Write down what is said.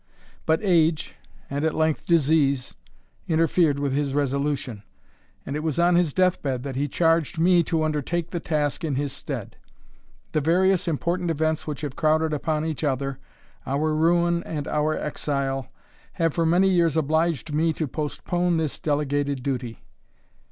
But age, and at length disease, interfered with his resolution, and it was on his deathbed that he charged me to undertake the task in his stead. The various important events which have crowded upon each other, our ruin and our exile, have for many years obliged me to postpone this delegated duty.